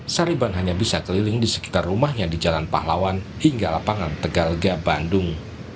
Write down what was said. sariban hanya bisa keliling di sekitar rumahnya di jalan pahlawan hingga lapangan tegalga bandung